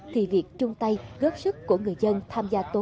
thì việc trung tây góp sức của người dân tham gia phong trào